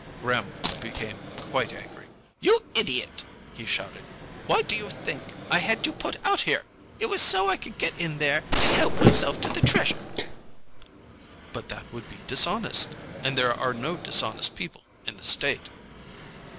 Gremm became quite angry. "You idiot," he shouted. "Why do you think I had you put out here? It was so I could get in there and help myself to the Treasure." "But that would be dishonest. And there are no dishonest people in the State."